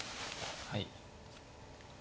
はい。